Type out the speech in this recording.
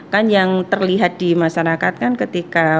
kan yang terlihat di masyarakat kan ketika